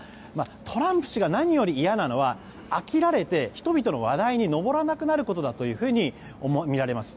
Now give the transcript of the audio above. トランプ氏が何より嫌なのは飽きられて人々の話題に上らなくなることだとみられます。